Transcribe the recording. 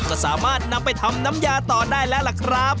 ก็สามารถนำไปทำน้ำยาต่อได้แล้วล่ะครับ